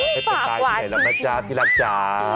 ไม่ได้ตายอย่างไรล่ะจ๊ะที่รักจ๊ะ